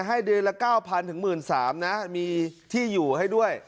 ให้เดียวละเก้าพันถึงหมื่นสามนะมีที่อยู่ให้ด้วย